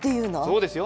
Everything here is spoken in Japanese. そうですよ。